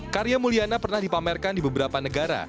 karya mulyana pernah dipamerkan di beberapa negara